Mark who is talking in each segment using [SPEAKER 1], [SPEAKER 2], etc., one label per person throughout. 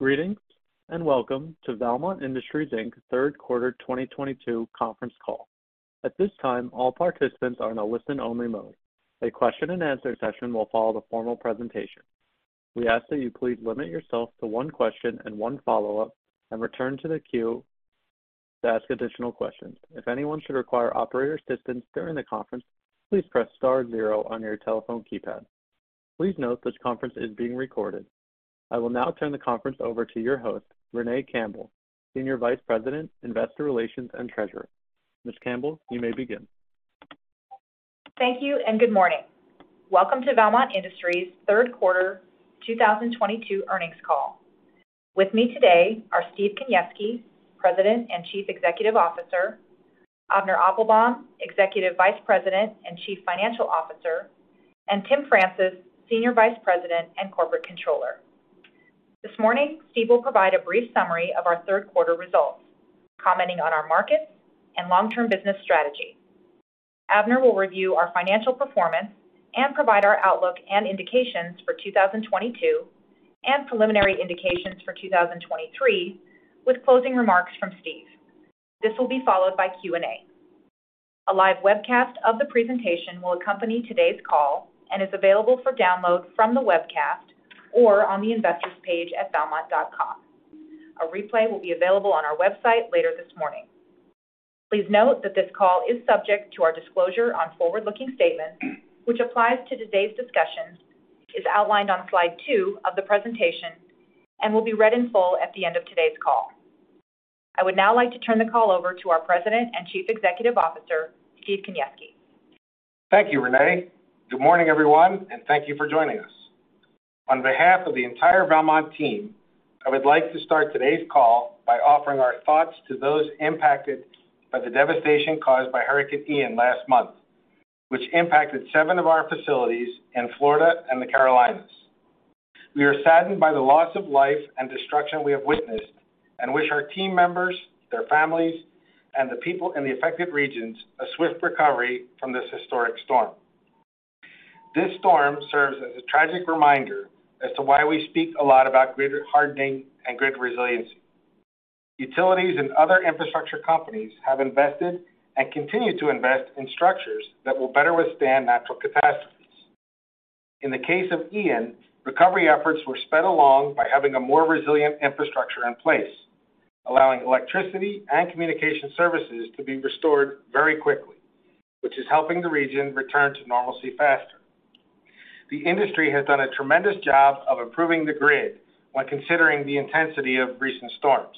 [SPEAKER 1] Greetings, and welcome to Valmont Industries, Inc third quarter 2022 conference call. At this time, all participants are in a listen-only mode. A question-and-answer session will follow the formal presentation. We ask that you please limit yourself to one question and one follow-up and return to the queue to ask additional questions. If anyone should require operator assistance during the conference, please press star zero on your telephone keypad. Please note this conference is being recorded. I will now turn the conference over to your host, Renee Campbell, Senior Vice President, Investor Relations and Treasurer. Ms. Campbell, you may begin.
[SPEAKER 2] Thank you, and good morning. Welcome to Valmont Industries Third Quarter 2022 earnings call. With me today are Steve Kaniewski, President and Chief Executive Officer, Avner Applbaum, Executive Vice President and Chief Financial Officer, and Timothy Francis, Senior Vice President and Corporate Controller. This morning, Steve will provide a brief summary of our third quarter results, commenting on our markets and long-term business strategy. Avner will review our financial performance and provide our outlook and indications for 2022 and preliminary indications for 2023, with closing remarks from Steve. This will be followed by Q&A. A live webcast of the presentation will accompany today's call and is available for download from the webcast or on the Investors page at valmont.com. A replay will be available on our website later this morning. Please note that this call is subject to our disclosure on forward-looking statements, which applies to today's discussions, is outlined on slide two of the presentation, and will be read in full at the end of today's call. I would now like to turn the call over to our President and Chief Executive Officer, Steve Kaniewski.
[SPEAKER 3] Thank you, Renee. Good morning, everyone, and thank you for joining us. On behalf of the entire Valmont team, I would like to start today's call by offering our thoughts to those impacted by the devastation caused by Hurricane Ian last month, which impacted seven of our facilities in Florida and the Carolinas. We are saddened by the loss of life and destruction we have witnessed and wish our team members, their families, and the people in the affected regions a swift recovery from this historic storm. This storm serves as a tragic reminder as to why we speak a lot about grid hardening and grid resiliency. Utilities and other infrastructure companies have invested and continue to invest in structures that will better withstand natural catastrophes. In the case of Hurricane Ian, recovery efforts were sped along by having a more resilient infrastructure in place, allowing electricity and communication services to be restored very quickly, which is helping the region return to normalcy faster. The industry has done a tremendous job of improving the grid when considering the intensity of recent storms.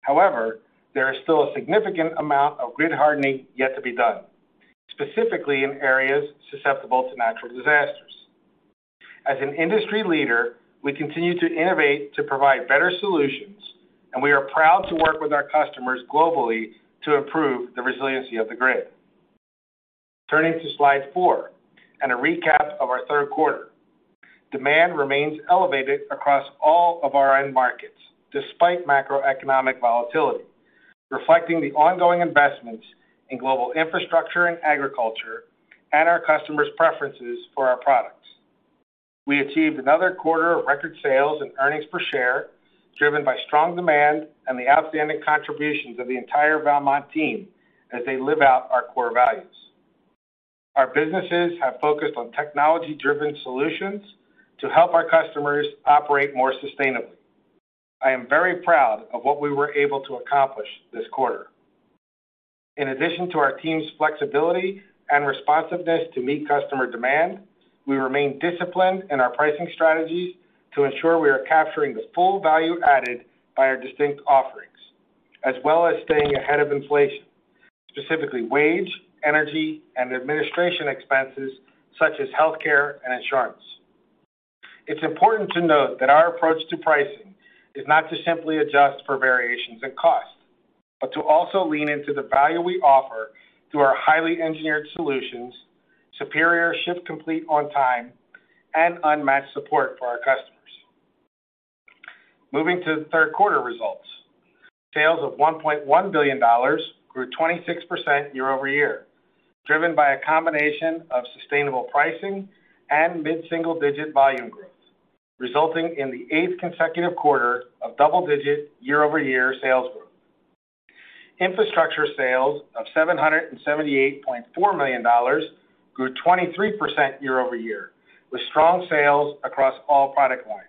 [SPEAKER 3] However, there is still a significant amount of grid hardening yet to be done, specifically in areas susceptible to natural disasters. As an industry leader, we continue to innovate to provide better solutions, and we are proud to work with our customers globally to improve the resiliency of the grid. Turning to slide four and a recap of our third quarter. Demand remains elevated across all of our end markets despite macroeconomic volatility, reflecting the ongoing investments in global infrastructure and agriculture and our customers' preferences for our products. We achieved another quarter of record sales and earnings per share, driven by strong demand and the outstanding contributions of the entire Valmont team as they live out our core values. Our businesses have focused on technology-driven solutions to help our customers operate more sustainably. I am very proud of what we were able to accomplish this quarter. In addition to our team's flexibility and responsiveness to meet customer demand, we remain disciplined in our pricing strategies to ensure we are capturing the full value added by our distinct offerings, as well as staying ahead of inflation, specifically wage, energy, and administrative expenses, such as healthcare and insurance. It's important to note that our approach to pricing is not to simply adjust for variations in cost, but to also lean into the value we offer through our highly engineered solutions, superior ship complete on time, and unmatched support for our customers. Moving to the third quarter results. Sales of $1.1 billion grew 26% year-over-year, driven by a combination of sustainable pricing and mid-single-digit volume growth, resulting in the eighth consecutive quarter of double-digit year-over-year sales growth. Infrastructure sales of $778.4 million grew 23% year-over-year, with strong sales across all product lines.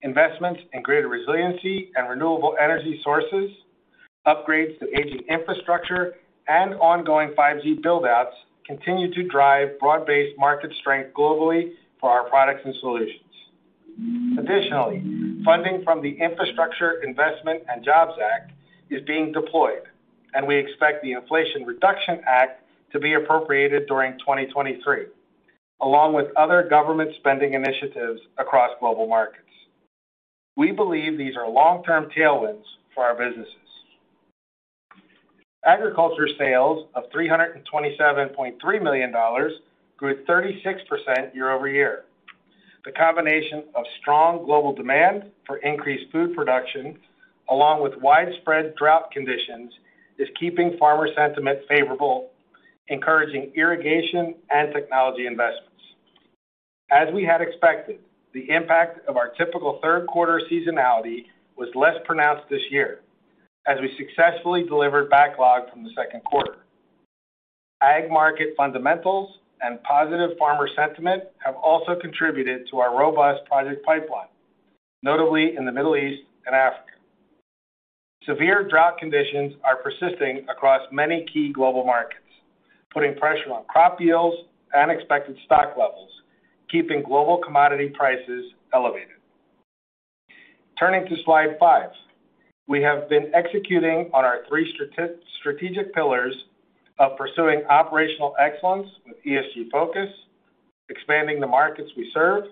[SPEAKER 3] Investments in greater resiliency and renewable energy sources, upgrades to aging infrastructure, and ongoing 5G build-outs continue to drive broad-based market strength globally for our products and solutions. Additionally, funding from the Infrastructure Investment and Jobs Act is being deployed, and we expect the Inflation Reduction Act to be appropriated during 2023, along with other government spending initiatives across global markets. We believe these are long-term tailwinds for our businesses. Agriculture sales of $327.3 million grew at 36% year-over-year. The combination of strong global demand for increased food production, along with widespread drought conditions, is keeping farmer sentiment favorable, encouraging irrigation and technology investments. As we had expected, the impact of our typical third quarter seasonality was less pronounced this year as we successfully delivered backlog from the second quarter. Ag market fundamentals and positive farmer sentiment have also contributed to our robust project pipeline, notably in the Middle East and Africa. Severe drought conditions are persisting across many key global markets, putting pressure on crop yields and expected stock levels, keeping global commodity prices elevated. Turning to slide five. We have been executing on our three strategic pillars of pursuing operational excellence with ESG focus, expanding the markets we serve,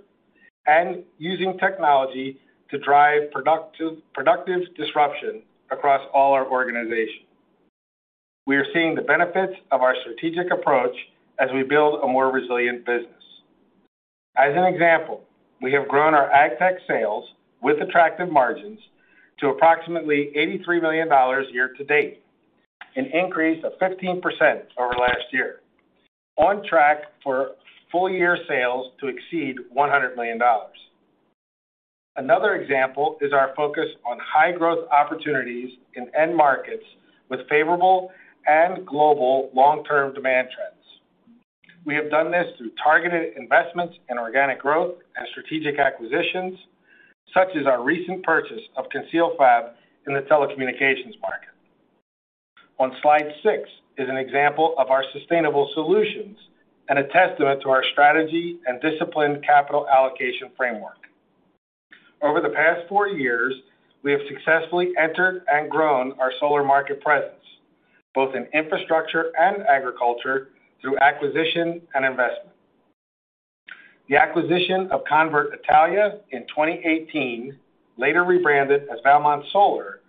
[SPEAKER 3] and using technology to drive productive disruption across all our organization. We are seeing the benefits of our strategic approach as we build a more resilient business. As an example, we have grown our ag tech sales with attractive margins to approximately $83 million year to date, an increase of 15% over last year. On track for full year sales to exceed $100 million. Another example is our focus on high growth opportunities in end markets with favorable and global long-term demand trends. We have done this through targeted investments in organic growth and strategic acquisitions, such as our recent purchase of ConcealFab in the telecommunications market. On slide six is an example of our sustainable solutions and a testament to our strategy and disciplined capital allocation framework. Over the past four years, we have successfully entered and grown our solar market presence, both in infrastructure and agriculture, through acquisition and investment. The acquisition of Convert Italia in 2018, later rebranded as Valmont Solar,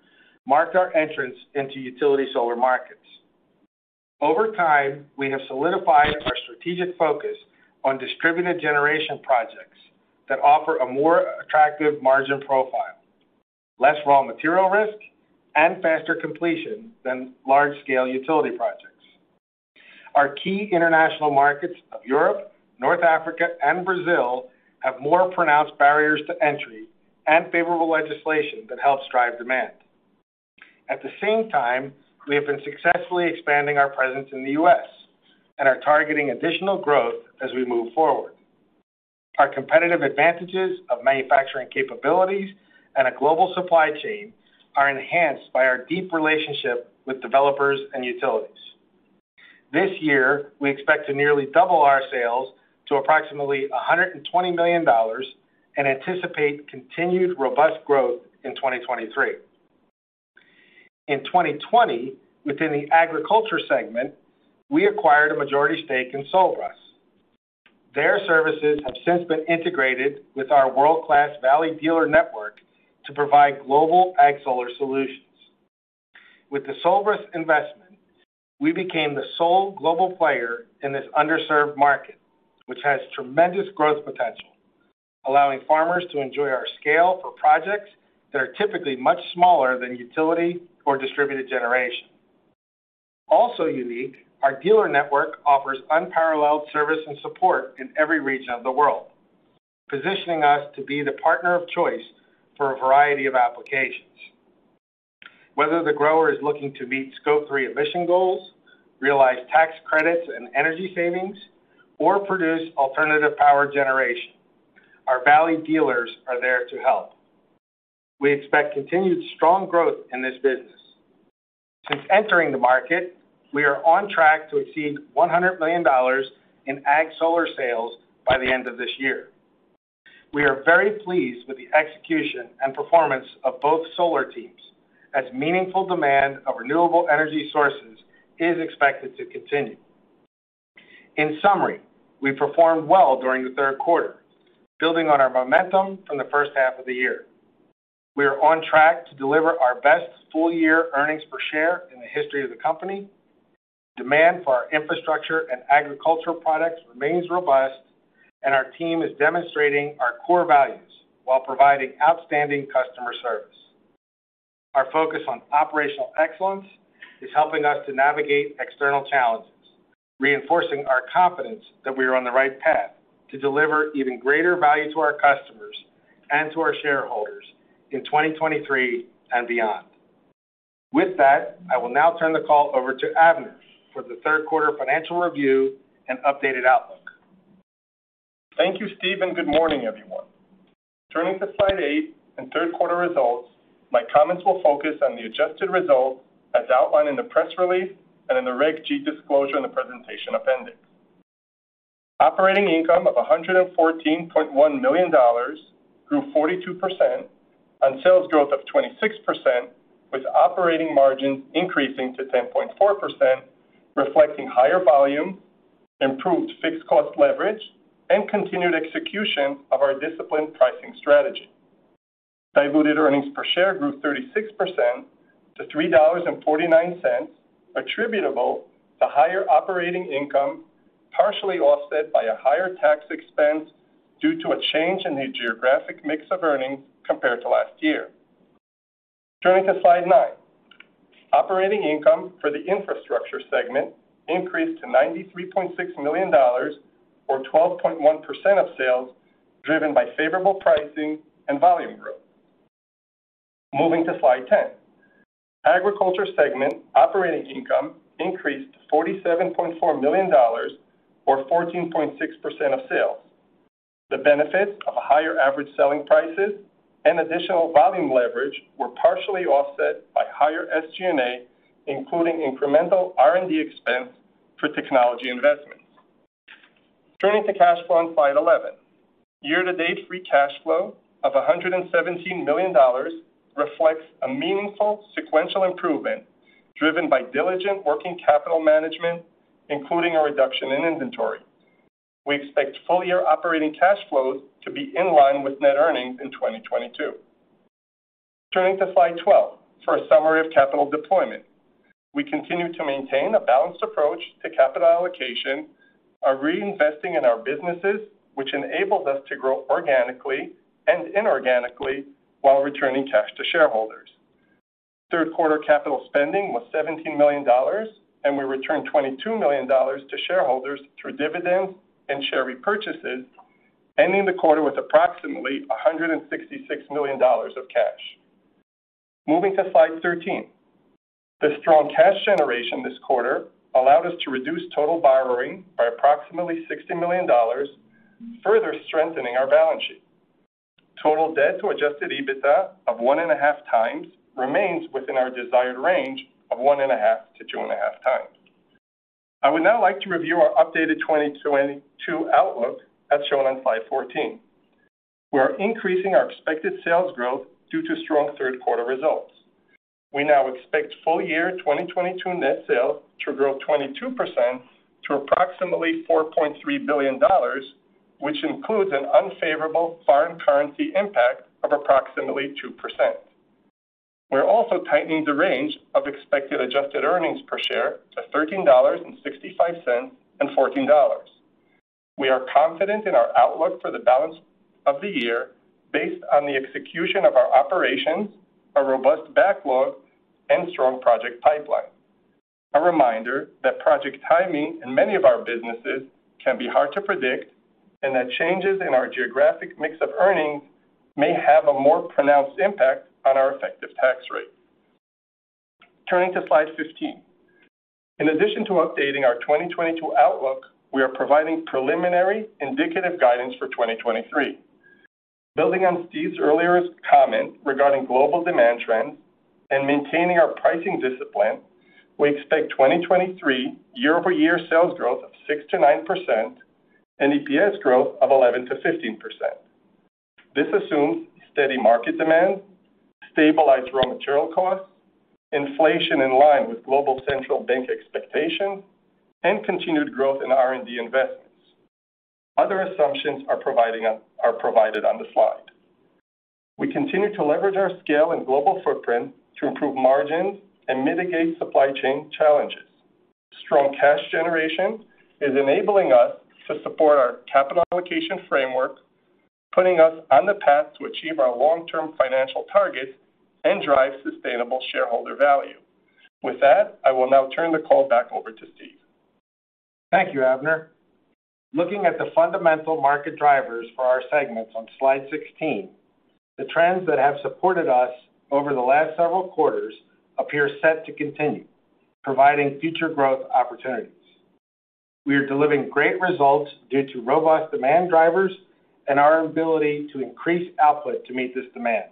[SPEAKER 3] marked our entrance into utility solar markets. Over time, we have solidified our strategic focus on distributed generation projects that offer a more attractive margin profile, less raw material risk, and faster completion than large-scale utility projects. Our key international markets of Europe, North Africa, and Brazil have more pronounced barriers to entry and favorable legislation that helps drive demand. At the same time, we have been successfully expanding our presence in the U.S. and are targeting additional growth as we move forward. Our competitive advantages of manufacturing capabilities and a global supply chain are enhanced by our deep relationship with developers and utilities. This year, we expect to nearly double our sales to approximately $120 million and anticipate continued robust growth in 2023. In 2020, within the agriculture segment, we acquired a majority stake in Solbras. Their services have since been integrated with our world-class Valley dealer network to provide global ag solar solutions. With the Solbras investment, we became the sole global player in this underserved market, which has tremendous growth potential, allowing farmers to enjoy our scale for projects that are typically much smaller than utility or distributed generation. Also unique, our dealer network offers unparalleled service and support in every region of the world, positioning us to be the partner of choice for a variety of applications. Whether the grower is looking to meet Scope 3 emission goals, realize tax credits and energy savings, or produce alternative power generation, our Valley dealers are there to help. We expect continued strong growth in this business. Since entering the market, we are on track to exceed $100 million in ag solar sales by the end of this year. We are very pleased with the execution and performance of both solar teams as meaningful demand of renewable energy sources is expected to continue. In summary, we performed well during the third quarter, building on our momentum from the first half of the year. We are on track to deliver our best full-year earnings per share in the history of the company. Demand for our infrastructure and agricultural products remains robust, and our team is demonstrating our core values while providing outstanding customer service. Our focus on operational excellence is helping us to navigate external challenges, reinforcing our confidence that we are on the right path to deliver even greater value to our customers and to our shareholders in 2023 and beyond. With that, I will now turn the call over to Avner for the third quarter financial review and updated outlook.
[SPEAKER 4] Thank you, Steve, and good morning, everyone. Turning to slide eight and third quarter results, my comments will focus on the adjusted results as outlined in the press release and in the Reg G disclosure in the presentation appendix. Operating income of $114.1 million grew 42% on sales growth of 26%, with operating margins increasing to 10.4%, reflecting higher volume, improved fixed cost leverage, and continued execution of our disciplined pricing strategy. Diluted earnings per share grew 36% to $3.49, attributable to higher operating income, partially offset by a higher tax expense due to a change in the geographic mix of earnings compared to last year. Turning to slide nine. Operating income for the infrastructure segment increased to $93.6 million or 12.1% of sales, driven by favorable pricing and volume growth. Moving to slide 10. Agriculture segment operating income increased to $47.4 million or 14.6% of sales. The benefits of higher average selling prices and additional volume leverage were partially offset by higher SG&A, including incremental R&D expense for technology investments. Turning to cash flow on slide 11. Year-to-date free cash flow of $117 million reflects a meaningful sequential improvement driven by diligent working capital management, including a reduction in inventory. We expect full-year operating cash flows to be in line with net earnings in 2022. Turning to slide 12 for a summary of capital deployment. We continue to maintain a balanced approach to capital allocation by reinvesting in our businesses, which enables us to grow organically and inorganically while returning cash to shareholders. Third quarter capital spending was $17 million, and we returned $22 million to shareholders through dividends and share repurchases, ending the quarter with approximately $166 million of cash. Moving to slide 13. The strong cash generation this quarter allowed us to reduce total borrowing by approximately $60 million, further strengthening our balance sheet. Total debt to adjusted EBITDA of 1.5x remains within our desired range of 1.5x-2.5x. I would now like to review our updated 2022 outlook as shown on slide 14. We are increasing our expected sales growth due to strong third quarter results. We now expect full year 2022 net sales to grow 22% to approximately $4.3 billion, which includes an unfavorable foreign currency impact of approximately 2%. We are also tightening the range of expected adjusted earnings per share to $13.65 and $14. We are confident in our outlook for the balance of the year based on the execution of our operations, our robust backlog, and strong project pipeline. A reminder that project timing in many of our businesses can be hard to predict, and that changes in our geographic mix of earnings may have a more pronounced impact on our effective tax rate. Turning to slide 15. In addition to updating our 2022 outlook, we are providing preliminary indicative guidance for 2023. Building on Steve's earlier comment regarding global demand trends and maintaining our pricing discipline, we expect 2023 year-over-year sales growth of 6%-9% and EPS growth of 11%-15%. This assumes steady market demand, stabilized raw material costs, inflation in line with global central bank expectations, and continued growth in R&D investments. Other assumptions are provided on the slide. We continue to leverage our scale and global footprint to improve margins and mitigate supply chain challenges. Strong cash generation is enabling us to support our capital allocation framework, putting us on the path to achieve our long-term financial targets and drive sustainable shareholder value. With that, I will now turn the call back over to Steve.
[SPEAKER 3] Thank you, Avner. Looking at the fundamental market drivers for our segments on slide 16, the trends that have supported us over the last several quarters appear set to continue, providing future growth opportunities. We are delivering great results due to robust demand drivers and our ability to increase output to meet this demand.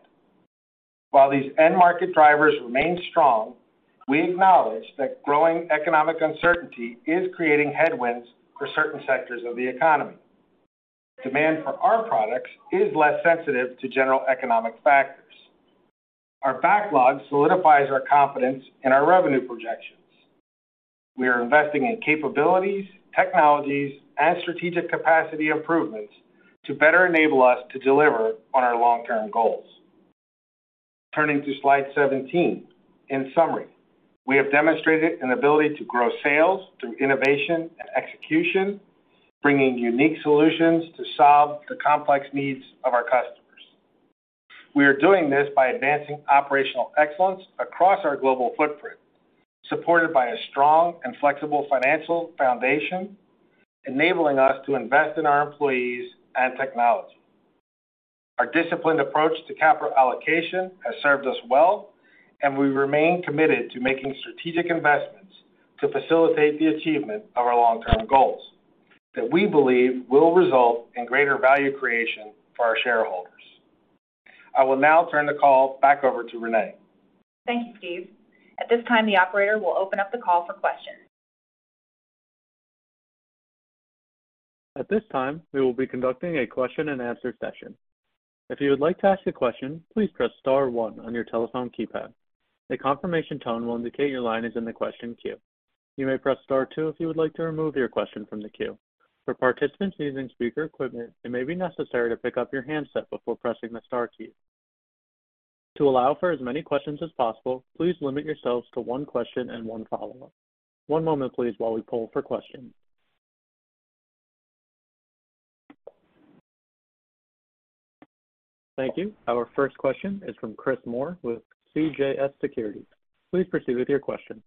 [SPEAKER 3] While these end market drivers remain strong, we acknowledge that growing economic uncertainty is creating headwinds for certain sectors of the economy. Demand for our products is less sensitive to general economic factors. Our backlog solidifies our confidence in our revenue projections. We are investing in capabilities, technologies, and strategic capacity improvements to better enable us to deliver on our long-term goals. Turning to slide 17. In summary, we have demonstrated an ability to grow sales through innovation and execution, bringing unique solutions to solve the complex needs of our customers. We are doing this by advancing operational excellence across our global footprint, supported by a strong and flexible financial foundation, enabling us to invest in our employees and technology. Our disciplined approach to capital allocation has served us well, and we remain committed to making strategic investments to facilitate the achievement of our long-term goals that we believe will result in greater value creation for our shareholders. I will now turn the call back over to Renee.
[SPEAKER 2] Thanks, Steve. At this time, the operator will open up the call for questions.
[SPEAKER 1] At this time, we will be conducting a question-and-answer session. If you would like to ask a question, please press star one on your telephone keypad. A confirmation tone will indicate your line is in the question queue. You may press star two if you would like to remove your question from the queue. For participants using speaker equipment, it may be necessary to pick up your handset before pressing the star key. To allow for as many questions as possible, please limit yourselves to one question and one follow-up. One moment, please, while we poll for questions. Thank you. Our first question is from Chris Moore with CJS Securities. Please proceed with your question.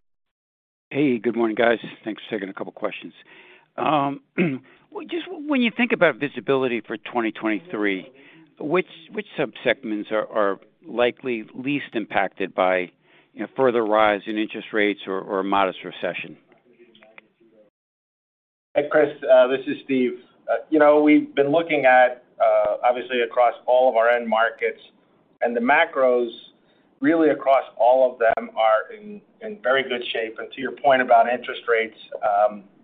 [SPEAKER 5] Hey, good morning, guys. Thanks for taking a couple of questions. Well, just when you think about visibility for 2023, which subsegments are likely least impacted by, you know, further rise in interest rates or a modest recession?
[SPEAKER 3] Hey, Chris, this is Steve. You know, we've been looking at, obviously across all of our end markets, and the macros really across all of them are in very good shape. To your point about interest rates,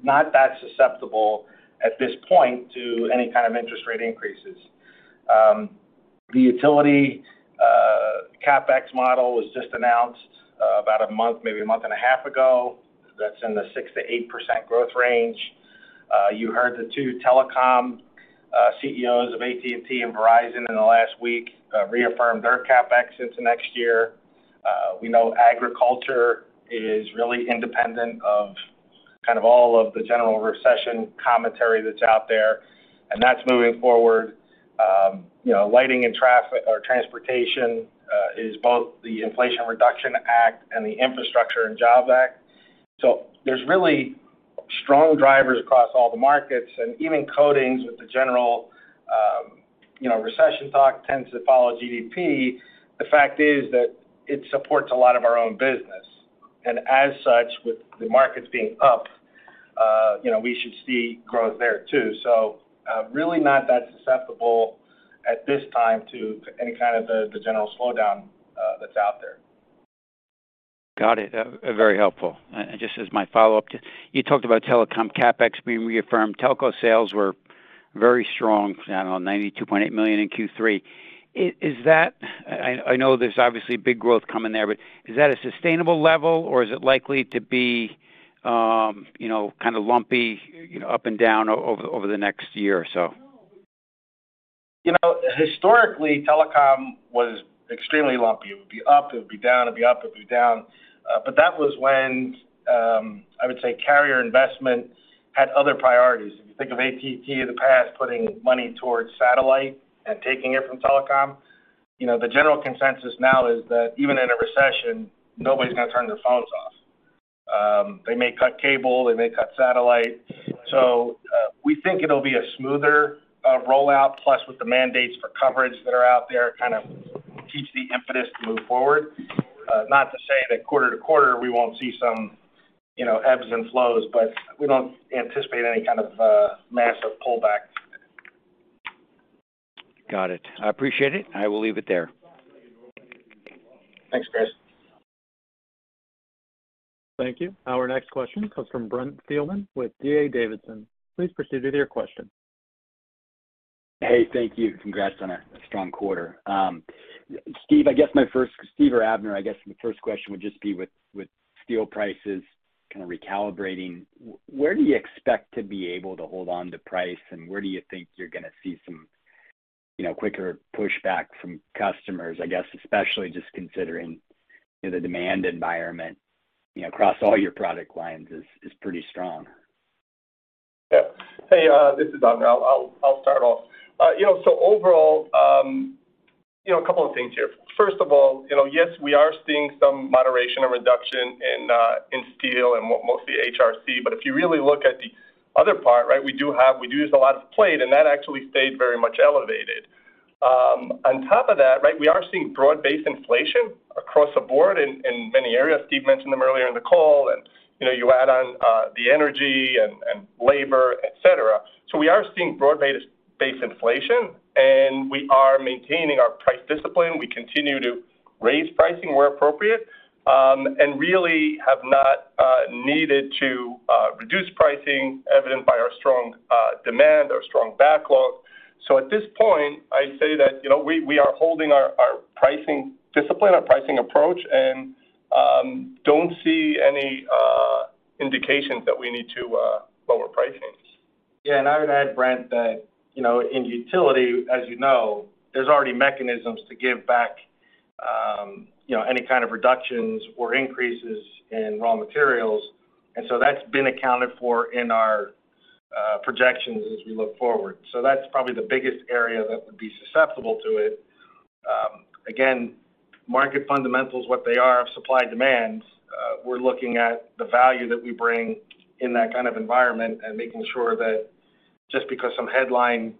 [SPEAKER 3] not that susceptible at this point to any kind of interest rate increases. The utility CapEx model was just announced about a month, maybe a month and a half ago. That's in the 6%-8% growth range. You heard the two telecom CEOs of AT&T and Verizon in the last week reaffirm their CapEx into next year. We know agriculture is really independent of kind of all of the general recession commentary that's out there, and that's moving forward. You know, lighting and traffic or transportation is both the Inflation Reduction Act and the Infrastructure Investment and Jobs Act. There's really strong drivers across all the markets. Even coatings with the general, you know, recession talk tends to follow GDP. The fact is that it supports a lot of our own business. As such, with the markets being up, you know, we should see growth there too. Really not that susceptible at this time to any kind of the general slowdown that's out there.
[SPEAKER 5] Got it. Very helpful. Just as my follow-up, you talked about telecom CapEx being reaffirmed. Telco sales were very strong, I don't know, $92.8 million in Q3. Is that a sustainable level, or is it likely to be, you know, kind of lumpy, you know, up and down over the next year or so?
[SPEAKER 3] You know, historically, telecom was extremely lumpy. It would be up, it would be down, it'd be up, it'd be down. That was when I would say carrier investment had other priorities. If you think of AT&T in the past putting money towards satellite and taking it from telecom. You know, the general consensus now is that even in a recession, nobody's gonna turn their phones off. They may cut cable, they may cut satellite. We think it'll be a smoother rollout, plus with the mandates for coverage that are out there, kind of keeps the impetus to move forward. Not to say that quarter to quarter, we won't see some, you know, ebbs and flows, but we don't anticipate any kind of massive pullback.
[SPEAKER 5] Got it. I appreciate it. I will leave it there.
[SPEAKER 3] Thanks, Chris.
[SPEAKER 1] Thank you. Our next question comes from Brent Thielman with D.A. Davidson. Please proceed with your question.
[SPEAKER 6] Hey, thank you. Congrats on a strong quarter. Steve or Avner, I guess my first question would just be with steel prices kind of recalibrating, where do you expect to be able to hold on to price, and where do you think you're gonna see some, you know, quicker pushback from customers, I guess, especially just considering the demand environment, you know, across all your product lines is pretty strong.
[SPEAKER 4] Yeah. Hey, this is Avner. I'll start off. You know, so overall, you know, a couple of things here. First of all, you know, yes, we are seeing some moderation or reduction in steel and mostly HRC. But if you really look at the other part, right, we do use a lot of plate, and that actually stayed very much elevated. On top of that, right, we are seeing broad-based inflation across the board in many areas. Steve mentioned them earlier in the call. You know, you add on the energy and labor, et cetera. We are seeing broad-based inflation, and we are maintaining our price discipline. We continue to raise pricing where appropriate, and really have not needed to reduce pricing, evident by our strong demand, our strong backlog. At this point, I say that, you know, we are holding our pricing discipline, our pricing approach, and don't see any indications that we need to lower pricing.
[SPEAKER 3] Yeah. I would add, Brent, that, you know, in utility, as you know, there's already mechanisms to give back, you know, any kind of reductions or increases in raw materials. That's been accounted for in our projections as we look forward. That's probably the biggest area that would be susceptible to it. Again, market fundamentals, what they are of supply and demand, we're looking at the value that we bring in that kind of environment and making sure that just because some headline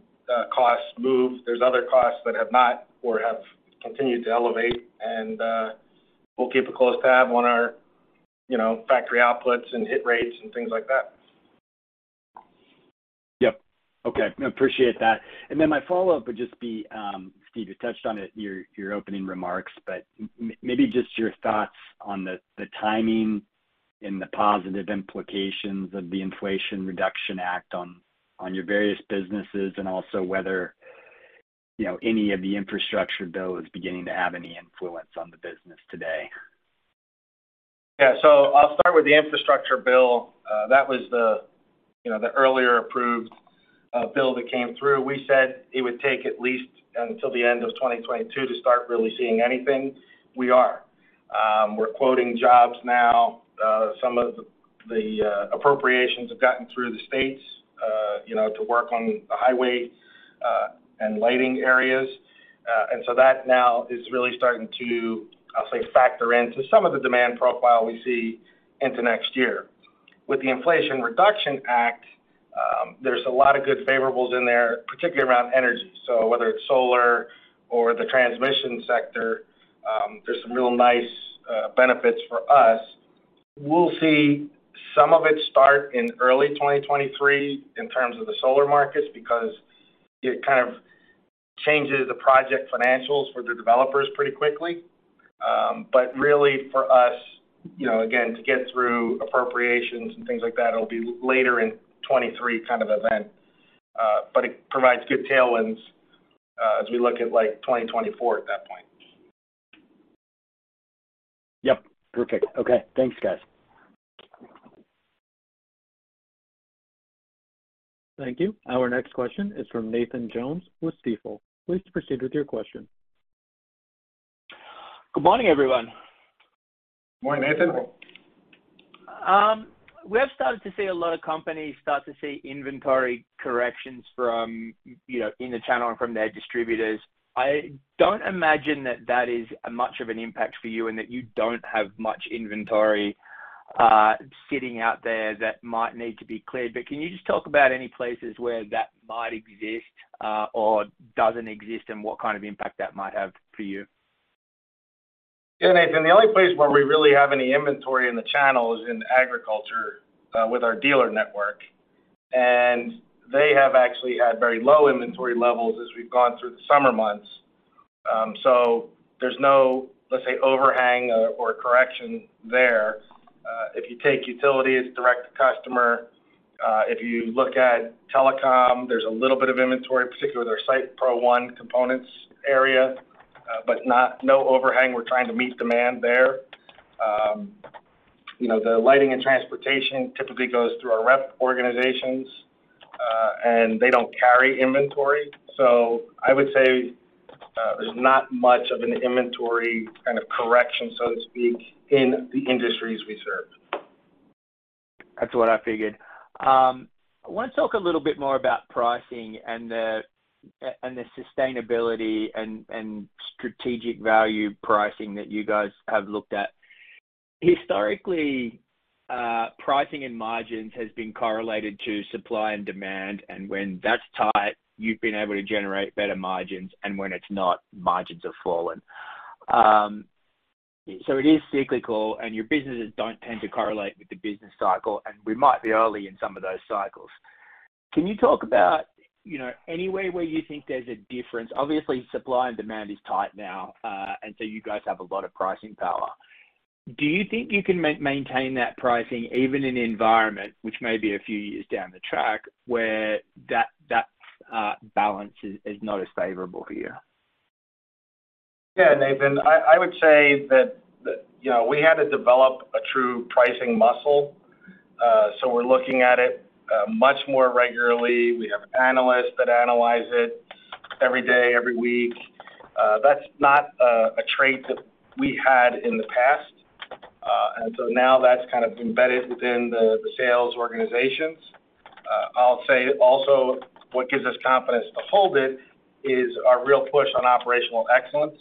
[SPEAKER 3] costs move, there's other costs that have not or have continued to elevate. We'll keep a close tab on our, you know, factory outputs and hit rates and things like that.
[SPEAKER 6] Yep. Okay. Appreciate that. Then my follow-up would just be, Steve, you touched on it in your opening remarks, but maybe just your thoughts on the timing and the positive implications of the Inflation Reduction Act on your various businesses and also whether, you know, any of the infrastructure bill is beginning to have any influence on the business today.
[SPEAKER 3] Yeah. I'll start with the Infrastructure Investment and Jobs Act. That was, you know, the earlier approved bill that came through. We said it would take at least until the end of 2022 to start really seeing anything. We're quoting jobs now. Some of the appropriations have gotten through the states, you know, to work on the highway and lighting areas. That now is really starting to, I'll say, factor into some of the demand profile we see into next year. With the Inflation Reduction Act, there's a lot of good favorables in there, particularly around energy. Whether it's solar or the transmission sector, there's some real nice benefits for us. We'll see some of it start in early 2023 in terms of the solar markets because it kind of changes the project financials for the developers pretty quickly. Really for us, you know, again, to get through appropriations and things like that, it'll be later in 2023 kind of event. It provides good tailwinds, as we look at like 2024 at that point.
[SPEAKER 6] Yep. Perfect. Okay. Thanks, guys.
[SPEAKER 1] Thank you. Our next question is from Nathan Jones with Stifel. Please proceed with your question.
[SPEAKER 7] Good morning, everyone.
[SPEAKER 3] Morning, Nathan.
[SPEAKER 7] We have started to see a lot of companies start to see inventory corrections from, you know, in the channel and from their distributors. I don't imagine that is much of an impact for you and that you don't have much inventory sitting out there that might need to be cleared. Can you just talk about any places where that might exist or doesn't exist, and what kind of impact that might have for you?
[SPEAKER 3] Yeah, Nathan, the only place where we really have any inventory in the channel is in agriculture, with our dealer network, and they have actually had very low inventory levels as we've gone through the summer months. So there's no, let's say, overhang or correction there. If you take utilities direct to customer, if you look at telecom, there's a little bit of inventory, particularly with our Site Pro 1 components area, but no overhang. We're trying to meet demand there. You know, the lighting and transportation typically goes through our rep organizations, and they don't carry inventory. So I would say, there's not much of an inventory kind of correction, so to speak, in the industries we serve.
[SPEAKER 7] That's what I figured. I want to talk a little bit more about pricing and the sustainability and strategic value pricing that you guys have looked at. Historically, pricing and margins has been correlated to supply and demand, and when that's tight, you've been able to generate better margins, and when it's not, margins have fallen. So it is cyclical, and your businesses don't tend to correlate with the business cycle, and we might be early in some of those cycles. Can you talk about, you know, anywhere where you think there's a difference? Obviously, supply and demand is tight now, and so you guys have a lot of pricing power. Do you think you can maintain that pricing even in environment which may be a few years down the track where that balance is not as favorable for you?
[SPEAKER 3] Yeah, Nathan, I would say that, you know, we had to develop a true pricing muscle, so we're looking at it much more regularly. We have analysts that analyze it every day, every week. That's not a trait that we had in the past, and so now that's kind of embedded within the sales organizations. I'll say also what gives us confidence to hold it is our real push on operational excellence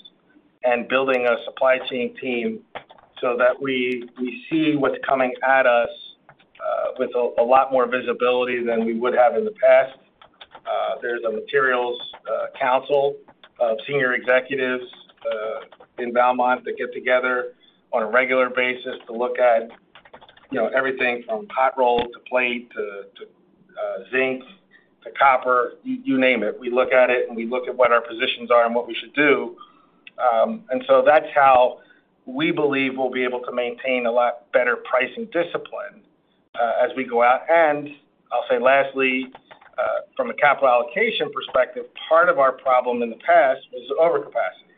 [SPEAKER 3] and building a supply chain team so that we see what's coming at us with a lot more visibility than we would have in the past. There's a materials council of senior executives in Valmont that get together on a regular basis to look at, you know, everything from hot roll to plate to zinc to copper. You name it. We look at it, and we look at what our positions are and what we should do. That's how we believe we'll be able to maintain a lot better pricing discipline, as we go out. I'll say lastly, from a capital allocation perspective, part of our problem in the past is overcapacity.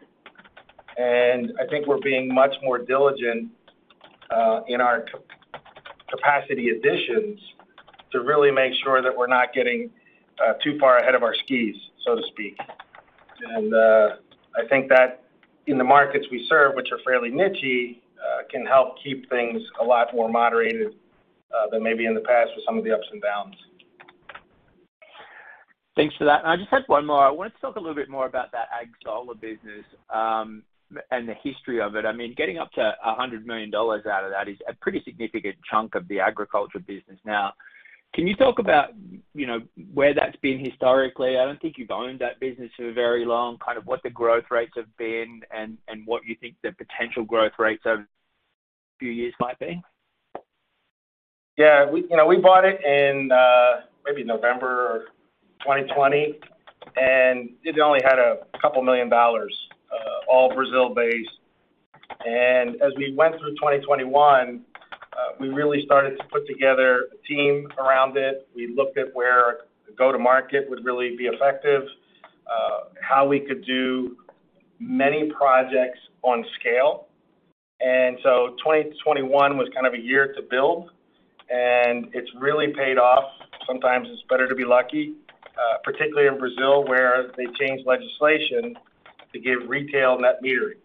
[SPEAKER 3] I think we're being much more diligent in our capacity additions to really make sure that we're not getting too far ahead of our skis, so to speak. I think that in the markets we serve, which are fairly niche-y, can help keep things a lot more moderated than maybe in the past with some of the ups and downs.
[SPEAKER 7] Thanks for that. I just had one more. I wanted to talk a little bit more about that ag solar business and the history of it. I mean, getting up to $100 million out of that is a pretty significant chunk of the agriculture business. Now, can you talk about, you know, where that's been historically? I don't think you've owned that business for very long, kind of what the growth rates have been and what you think the potential growth rates over a few years might be.
[SPEAKER 3] Yeah, we you know bought it in maybe November of 2020, and it only had a couple million dollars, all Brazil-based. As we went through 2021, we really started to put together a team around it. We looked at where go-to-market would really be effective, how we could do many projects on scale. 2021 was kind of a year to build, and it's really paid off. Sometimes it's better to be lucky. Particularly in Brazil, where they changed legislation to give retail net metering.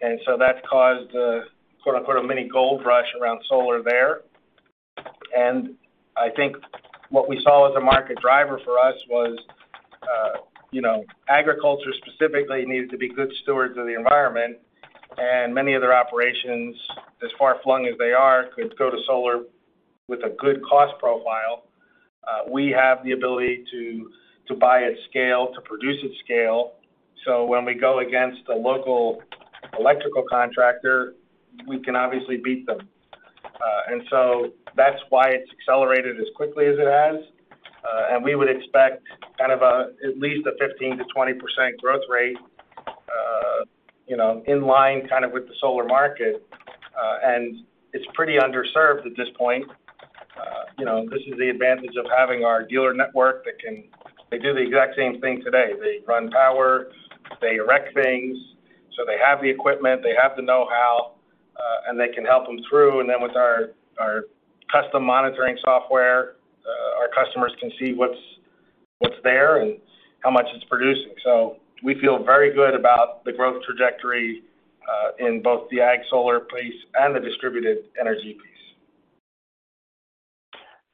[SPEAKER 3] That's caused a quote-unquote, "a mini gold rush" around solar there. I think what we saw as a market driver for us was, you know, agriculture specifically needed to be good stewards of the environment, and many of their operations, as far-flung as they are, could go to solar with a good cost profile. We have the ability to buy at scale, to produce at scale. When we go against a local electrical contractor, we can obviously beat them. That's why it's accelerated as quickly as it has. We would expect at least a 15%-20% growth rate, you know, in line kind of with the solar market. It's pretty underserved at this point. You know, this is the advantage of having our dealer network that can. They do the exact same thing today. They run power, they erect things. They have the equipment, they have the know-how, and they can help them through. With our custom monitoring software, our customers can see what's there and how much it's producing. We feel very good about the growth trajectory in both the ag solar piece and the distributed energy piece.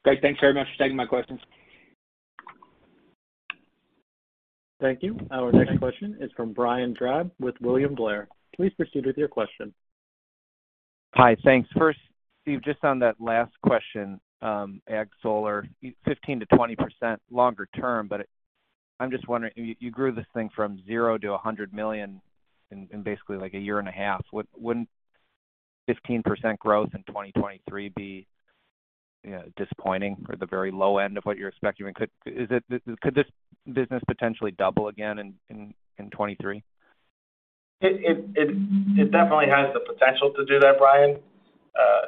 [SPEAKER 7] Great. Thanks very much for taking my questions.
[SPEAKER 1] Thank you. Our next question is from Brian Drab with William Blair. Please proceed with your question.
[SPEAKER 8] Hi. Thanks. First, Steve, just on that last question, ag solar, 15%-20% longer term, but I'm just wondering, you grew this thing from zero to $100 million in basically like a year and a half. Wouldn't 15% growth in 2023 be, you know, disappointing or the very low end of what you're expecting? Could this business potentially double again in 2023?
[SPEAKER 3] It definitely has the potential to do that, Brian.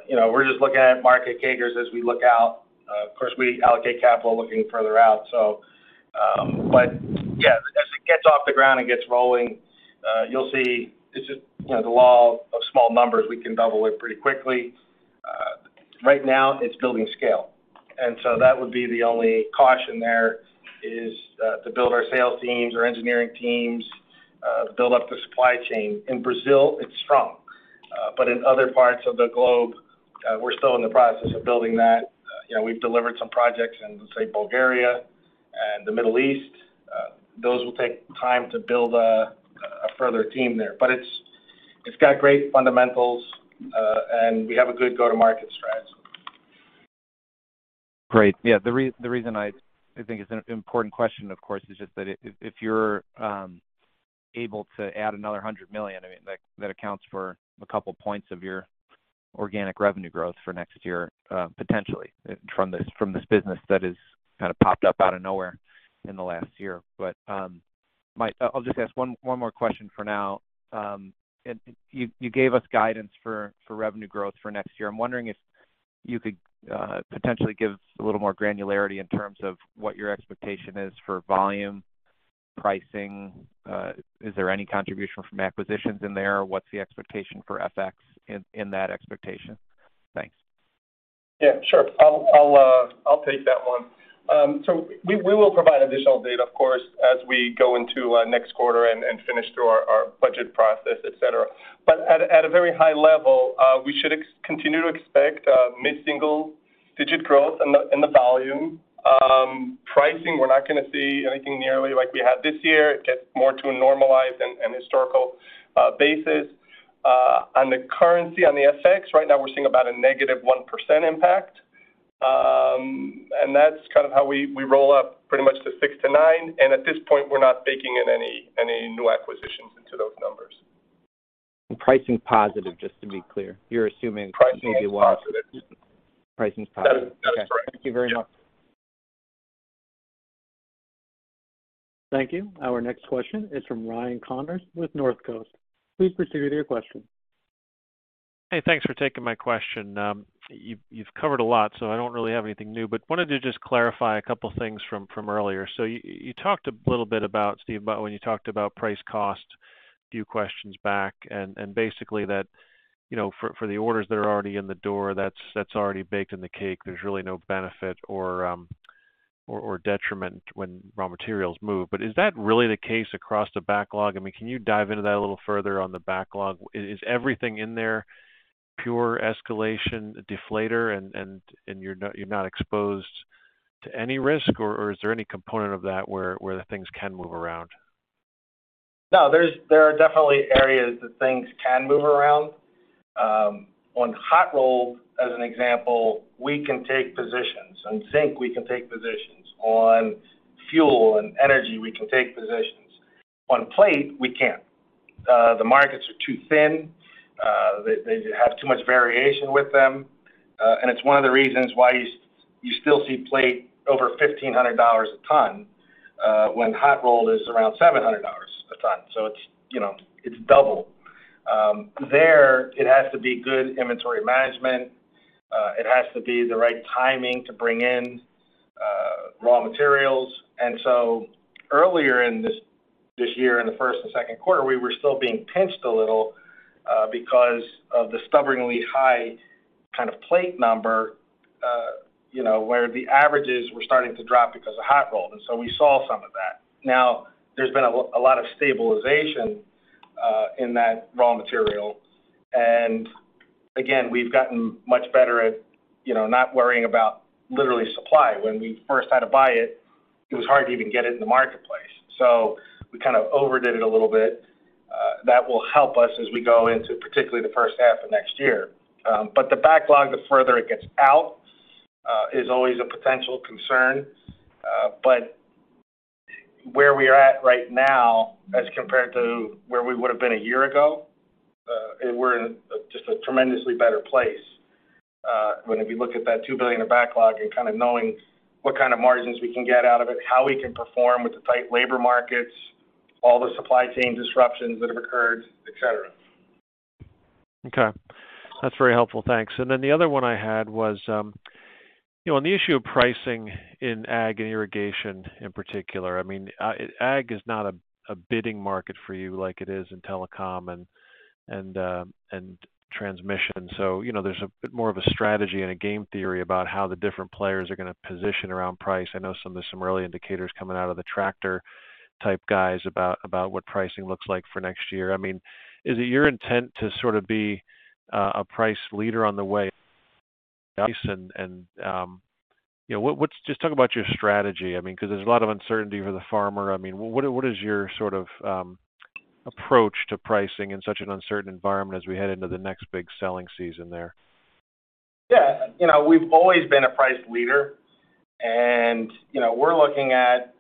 [SPEAKER 3] You know, we're just looking at market CAGRs as we look out. Of course, we allocate capital looking further out. Yeah, as it gets off the ground and gets rolling, you'll see it's just, you know, the law of small numbers. We can double it pretty quickly. Right now it's building scale, and so that would be the only caution there is to build our sales teams, our engineering teams, build up the supply chain. In Brazil, it's strong. In other parts of the globe, we're still in the process of building that. You know, we've delivered some projects in, say, Bulgaria and the Middle East. Those will take time to build a further team there. It's got great fundamentals, and we have a good go-to-market strategy.
[SPEAKER 8] Great. Yeah. The reason I think it's an important question, of course, is just that if you're able to add another $100 million, I mean, like, that accounts for a couple points of your organic revenue growth for next year, potentially from this business that has kind of popped up out of nowhere in the last year. I'll just ask one more question for now. You gave us guidance for revenue growth for next year. I'm wondering if you could potentially give us a little more granularity in terms of what your expectation is for volume pricing. Is there any contribution from acquisitions in there? What's the expectation for FX in that expectation? Thanks.
[SPEAKER 3] Yeah, sure. I'll take that one. So we will provide additional data, of course, as we go into next quarter and finish through our budget process, et cetera. At a very high level, we should continue to expect mid-single-digit growth in the volume. Pricing, we're not gonna see anything nearly like we had this year. It gets more to a normalized and historical basis. On the currency, on the FX, right now we're seeing about a -1% impact. That's kind of how we roll up pretty much to 6%-9%. At this point, we're not baking in any new acquisitions into those numbers.
[SPEAKER 8] Pricing's positive, just to be clear. You're assuming maybe while-
[SPEAKER 3] Pricing's positive.
[SPEAKER 8] Pricing's positive.
[SPEAKER 3] That is correct.
[SPEAKER 8] Okay. Thank you very much.
[SPEAKER 1] Thank you. Our next question is from Ryan Connors with Northcoast. Please proceed with your question.
[SPEAKER 9] Hey, thanks for taking my question. You've covered a lot, so I don't really have anything new, but wanted to just clarify a couple things from earlier. You talked a little bit about, Steve, about when you talked about price cost a few questions back, and basically that, you know, for the orders that are already in the door, that's already baked in the cake. There's really no benefit or detriment when raw materials move. Is that really the case across the backlog? I mean, can you dive into that a little further on the backlog? Is everything in there pure escalation deflator, and you're not exposed to any risk? Is there any component of that where the things can move around?
[SPEAKER 3] No. There are definitely areas that things can move around. On hot roll as an example, we can take positions. On zinc, we can take positions. On fuel and energy, we can take positions. On plate, we can't. The markets are too thin. They have too much variation with them. It's one of the reasons why you still see plate over $1,500 a ton, when hot roll is around $700 a ton. It's double, you know. There it has to be good inventory management. It has to be the right timing to bring in raw materials. Earlier in this year in the first and second quarter, we were still being pinched a little, because of the stubbornly high kind of plate number, you know, where the averages were starting to drop because of hot roll, and so we saw some of that. Now there's been a lot of stabilization in that raw material. Again, we've gotten much better at, you know, not worrying about literally supply. When we first had to buy it was hard to even get it in the marketplace. We kind of overdid it a little bit. That will help us as we go into particularly the first half of next year. The backlog, the further it gets out, is always a potential concern. Where we're at right now as compared to where we would have been a year ago, we're in just a tremendously better place. If you look at that $2 billion in backlog and kind of knowing what kind of margins we can get out of it, how we can perform with the tight labor markets, all the supply chain disruptions that have occurred, et cetera.
[SPEAKER 9] Okay. That's very helpful. Thanks. The other one I had was, you know, on the issue of pricing in ag and irrigation, in particular, I mean, ag is not a bidding market for you like it is in telecom and transmission. You know, there's a bit more of a strategy and a game theory about how the different players are gonna position around price. I know some of the similar indicators coming out of the tractor type guys about what pricing looks like for next year. I mean, is it your intent to sort of be a price leader on the way? You know, just talk about your strategy. I mean, because there's a lot of uncertainty for the farmer. I mean, what is your sort of approach to pricing in such an uncertain environment as we head into the next big selling season there?
[SPEAKER 3] Yeah. You know, we've always been a price leader, and, you know, we're looking at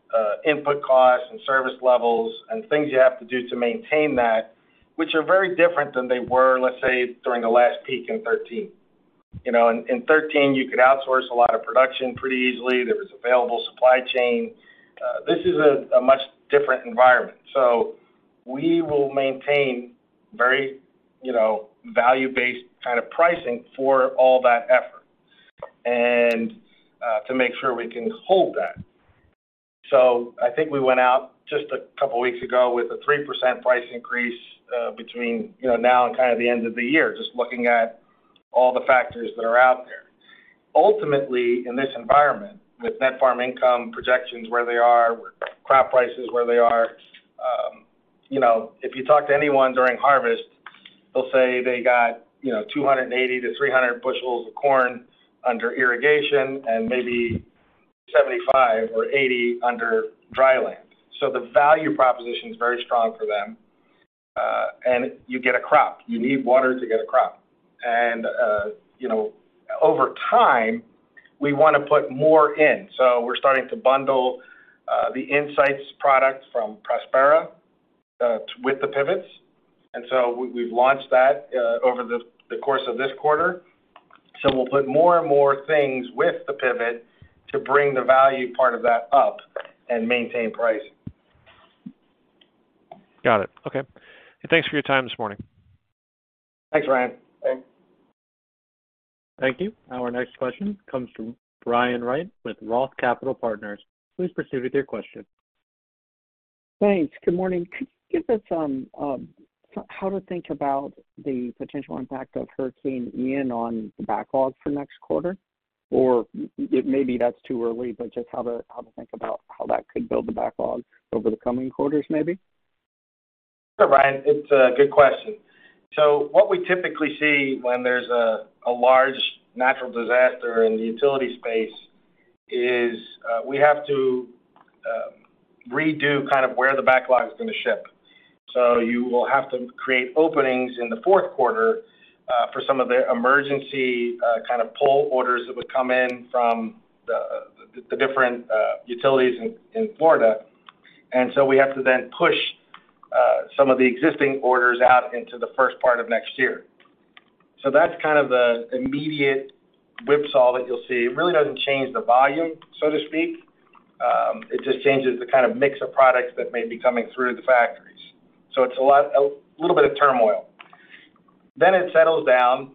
[SPEAKER 3] input costs and service levels and things you have to do to maintain that, which are very different than they were, let's say, during the last peak in 2013. You know, in 2013, you could outsource a lot of production pretty easily. There was available supply chain. This is a much different environment. We will maintain very, you know, value-based kind of pricing for all that effort and to make sure we can hold that. I think we went out just a couple of weeks ago with a 3% price increase between, you know, now and kind of the end of the year, just looking at all the factors that are out there. Ultimately, in this environment, with net farm income projections where they are, crop prices where they are, you know, if you talk to anyone during harvest, they'll say they got, you know, 280-300 bushels of corn under irrigation and maybe 75 or 80 under dry land. The value proposition is very strong for them. You get a crop. You need water to get a crop. You know, over time, we wanna put more in. We're starting to bundle the insights product from Prospera with the pivots. We've launched that over the course of this quarter. We'll put more and more things with the pivot to bring the value part of that up and maintain pricing.
[SPEAKER 9] Got it. Okay. Thanks for your time this morning.
[SPEAKER 3] Thanks, Ryan.
[SPEAKER 4] Thank you.
[SPEAKER 1] Thank you. Our next question comes from Brian Wright with Roth Capital Partners. Please proceed with your question.
[SPEAKER 10] Thanks. Good morning. Can you give us how to think about the potential impact of Hurricane Ian on the backlog for next quarter? Or maybe that's too early, but just how to think about how that could build the backlog over the coming quarters, maybe.
[SPEAKER 3] Sure, Brian. It's a good question. What we typically see when there's a large natural disaster in the utility space is we have to redo kind of where the backlog is gonna ship. You will have to create openings in the fourth quarter for some of the emergency kind of pull orders that would come in from the different utilities in Florida. We have to then push some of the existing orders out into the first part of next year. That's kind of the immediate whipsaw that you'll see. It really doesn't change the volume, so to speak. It just changes the kind of mix of products that may be coming through the factories. It's a lot, a little bit of turmoil. It settles down,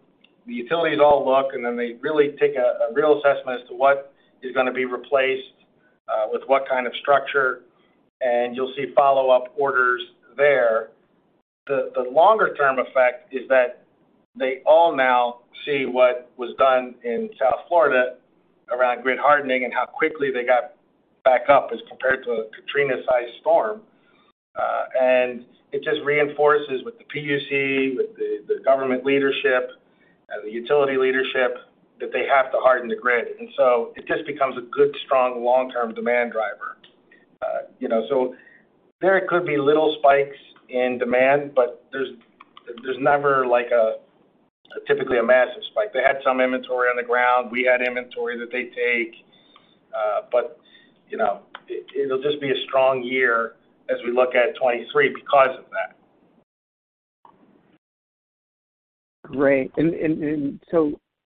[SPEAKER 3] the utilities all look, and then they really take a real assessment as to what is gonna be replaced with what kind of structure, and you'll see follow-up orders there. The longer-term effect is that they all now see what was done in South Florida around grid hardening and how quickly they got back up as compared to a Katrina-sized storm. It just reinforces with the PUC, with the government leadership, the utility leadership that they have to harden the grid. It just becomes a good, strong long-term demand driver. You know, there could be little spikes in demand, but there's never like, typically a massive spike. They had some inventory on the ground, we had inventory that they take, but you know, it'll just be a strong year as we look at 2023 because of that.
[SPEAKER 10] Great.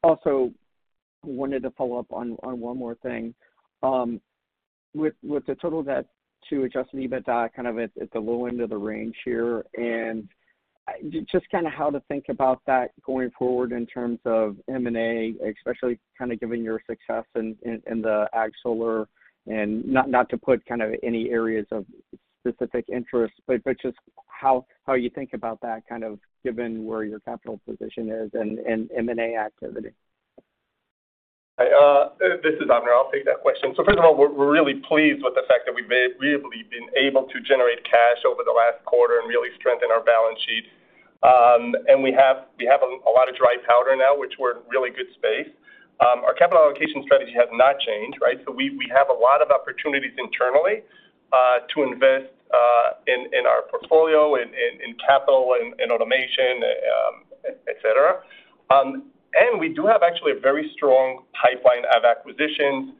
[SPEAKER 10] Also wanted to follow up on one more thing with the total debt to adjusted EBITDA kind of at the low end of the range here and just kind of how to think about that going forward in terms of M&A, especially kind of giving your success in the ag solar and not to put kind of any areas of specific interests, but just how you think about that kind of given where your capital position is and M&A activity.
[SPEAKER 4] This is Avner Applbaum. I'll take that question. First of all, we're really pleased with the fact that we've really been able to generate cash over the last quarter and really strengthen our balance sheet. We have a lot of dry powder now, which we're in really good shape. Our capital allocation strategy has not changed, right? We have a lot of opportunities internally to invest in our portfolio, in capital and automation, et cetera. We do have actually a very strong pipeline of acquisitions.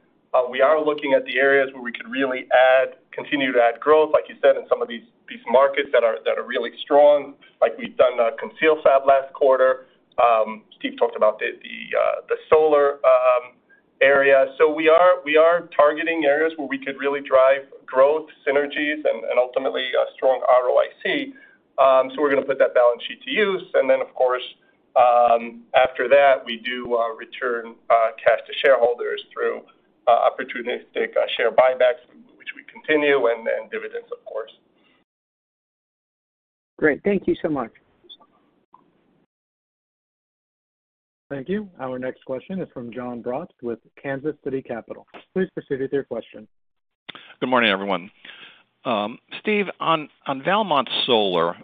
[SPEAKER 4] We are looking at the areas where we could really continue to add growth, like you said, in some of these markets that are really strong, like we've done ConcealFab last quarter. Steve talked about the solar area. We are targeting areas where we could really drive growth synergies and ultimately a strong ROIC. We're gonna put that balance sheet to use. After that, we return cash to shareholders through opportunistic share buybacks, which we continue, and dividends, of course.
[SPEAKER 10] Great. Thank you so much.
[SPEAKER 1] Thank you. Our next question is from Jonathan Braatz with Kansas City Capital Associates. Please proceed with your question.
[SPEAKER 11] Good morning, everyone. Steve, on Valmont Solar,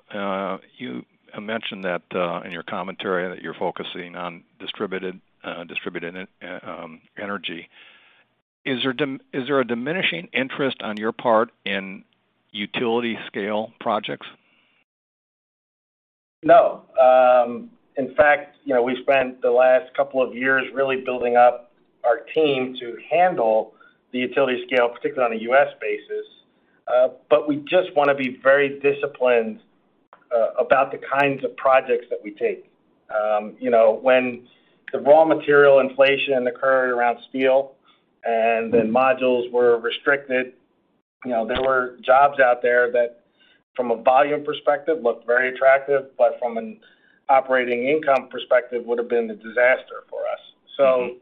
[SPEAKER 11] you mentioned that in your commentary that you're focusing on distributed energy. Is there a diminishing interest on your part in utility scale projects?
[SPEAKER 3] No. In fact, you know, we spent the last couple of years really building up our team to handle the utility scale, particularly on a U.S. basis. But we just wanna be very disciplined about the kinds of projects that we take. You know, when the raw material inflation occurred around steel and then modules were restricted, you know, there were jobs out there that from a volume perspective, looked very attractive, but from an operating income perspective, would have been a disaster for us.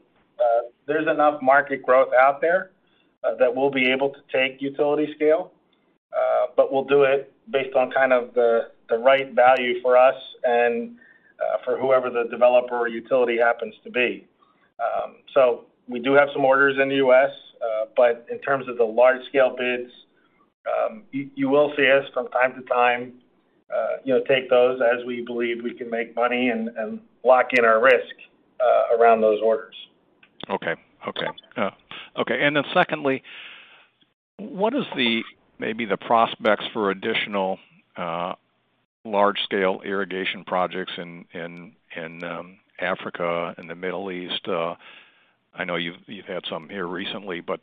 [SPEAKER 3] There's enough market growth out there that we'll be able to take utility scale, but we'll do it based on kind of the right value for us and for whoever the developer or utility happens to be. We do have some orders in the U.S., but in terms of the large-scale bids, you will see us from time to time, you know, take those as we believe we can make money and lock in our risk around those orders.
[SPEAKER 11] Secondly, what is maybe the prospects for additional large scale irrigation projects in Africa and the Middle East? I know you've had some here recently, but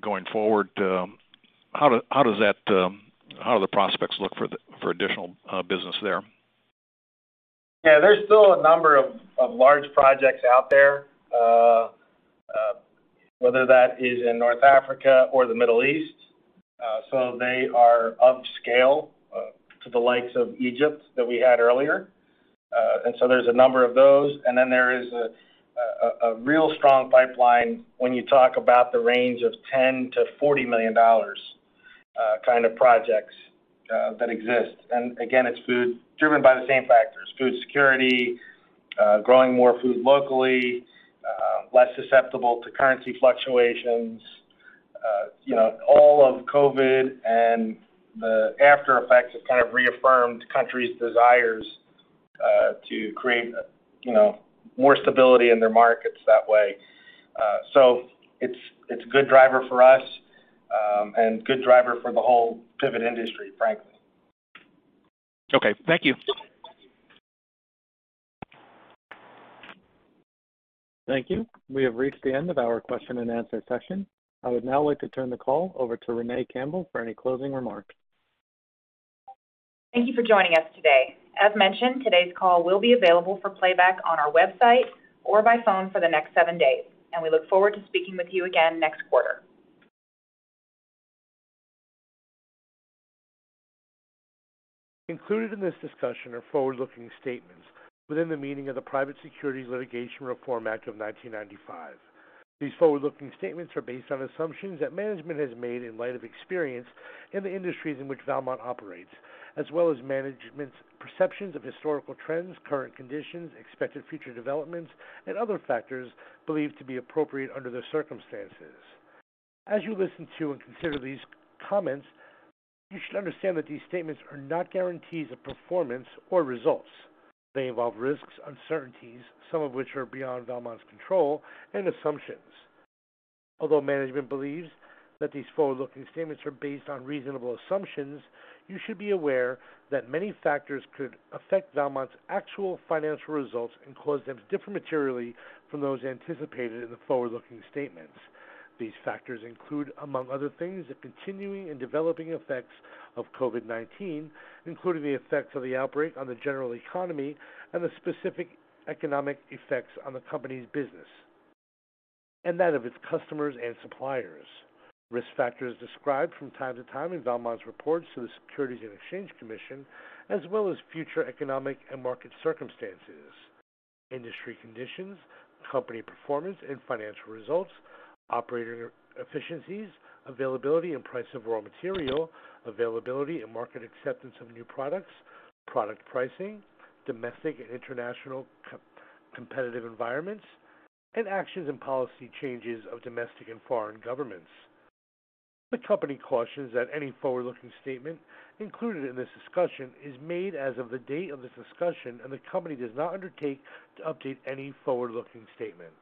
[SPEAKER 11] going forward, how do the prospects look for additional business there?
[SPEAKER 3] Yeah, there's still a number of large projects out there, whether that is in North Africa or the Middle East. They are upscale to the likes of Egypt that we had earlier. There's a number of those. Then there is a real strong pipeline when you talk about the range of $10 million-$40 million kind of projects that exist. Again, it's food driven by the same factors, food security, growing more food locally, less susceptible to currency fluctuations. You know, all of COVID and the after effects have kind of reaffirmed countries' desires to create, you know, more stability in their markets that way. It's a good driver for us and good driver for the whole pivot industry, frankly.
[SPEAKER 11] Okay. Thank you.
[SPEAKER 1] Thank you. We have reached the end of our question-and-answer session. I would now like to turn the call over to Renee Campbell for any closing remarks.
[SPEAKER 2] Thank you for joining us today. As mentioned, today's call will be available for playback on our website or by phone for the next seven days, and we look forward to speaking with you again next quarter.
[SPEAKER 1] Included in this discussion are forward-looking statements within the meaning of the Private Securities Litigation Reform Act of 1995. These forward-looking statements are based on assumptions that management has made in light of experience in the industries in which Valmont operates, as well as management's perceptions of historical trends, current conditions, expected future developments, and other factors believed to be appropriate under the circumstances. As you listen to and consider these comments, you should understand that these statements are not guarantees of performance or results. They involve risks, uncertainties, some of which are beyond Valmont's control and assumptions. Although management believes that these forward-looking statements are based on reasonable assumptions, you should be aware that many factors could affect Valmont's actual financial results and cause them to differ materially from those anticipated in the forward-looking statements. These factors include, among other things, the continuing and developing effects of COVID-19, including the effects of the outbreak on the general economy and the specific economic effects on the company's business, and that of its customers and suppliers. Risk factors described from time to time in Valmont's reports to the Securities and Exchange Commission, as well as future economic and market circumstances, industry conditions, company performance and financial results, operator efficiencies, availability and price of raw material, availability and market acceptance of new products, product pricing, domestic and international competitive environments, and actions and policy changes of domestic and foreign governments. The company cautions that any forward-looking statement included in this discussion is made as of the date of this discussion, and the company does not undertake to update any forward-looking statement.